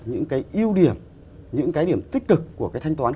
những cái ưu điểm những cái điểm tích cực của cái thanh toán